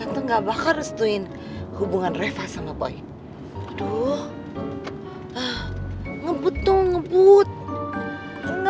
oke oke turun turun yuk